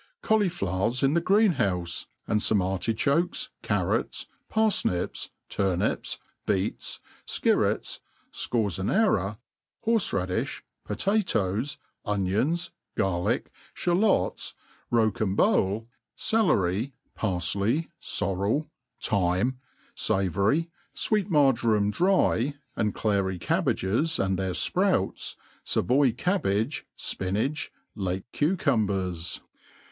CAULIFLOWERS in the green houfe, and fome ^rtf chokes, Arrots, parfnips, turnips, beets, (kirrets, fcorzonera, borfe radiih, potatoes, onions, garlick, (halots, rocambole, celery, parfley, forrel, thyme, favoury, fweet marjoram dry, and clary cabbages, and their fprouts, fa voy cabbage, fpinach, late cucumbers.